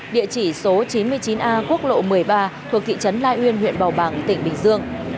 địa chỉ số chín mươi chín a quốc lộ một mươi ba thuộc thị trấn lai uyên huyện bảo bàng tỉnh bình dương